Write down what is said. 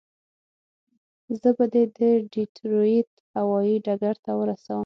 زه به دې د ډیترویت هوایي ډګر ته ورسوم.